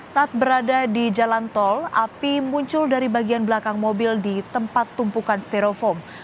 saat berada di jalan tol api muncul dari bagian belakang mobil di tempat tumpukan stereofoam